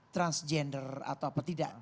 transgender atau apa tidak